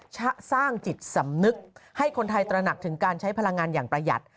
จะสร้างจิตสำนึกให้คนไทยตระหนักถึงการใช้พลังงานอย่างประหยัด